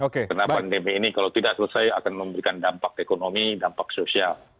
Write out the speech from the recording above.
karena pandemi ini kalau tidak selesai akan memberikan dampak ekonomi dampak sosial